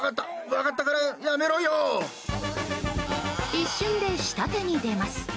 一瞬で下手に出ます。